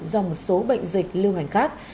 do một số bệnh dịch lưu hành khác